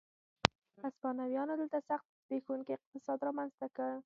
هسپانویانو دلته سخت زبېښونکی اقتصاد رامنځته کړ.